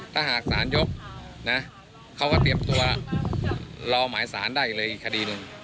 ถ้าหากศาลยกนะเขาก็เตรียมตัวรอหมายสารได้อีกเลยอีกคดีหนึ่ง